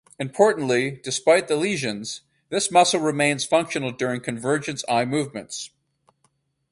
Importantly, despite the lesions, this muscle remains functional during convergence eye movements.